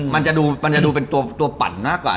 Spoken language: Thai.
มันจะดูเป็นตัวปั่นมากกว่า